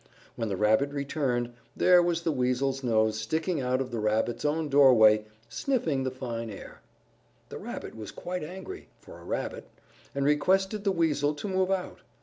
When the Rabbit returned, there was the Weasel's nose sticking out of the Rabbit's own doorway, sniffing the fine air. The Rabbit was quite angry for a Rabbit , and requested the Weasel to move out.